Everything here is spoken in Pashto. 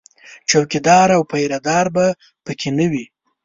څوکیدار او پیره دار به په کې نه وي